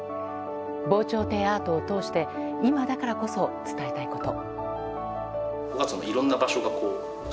防潮堤アートを通して今だからこそ伝えたいこと。